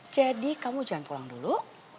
jadi kamu jangan pulang dulu